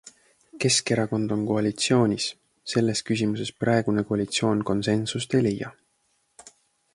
Keskerakond on koalitsioonis, selles küsimuses praegune koalitsioon konsensust ei leia.